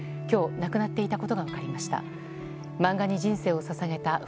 今日、亡くなっていたことが分かりました。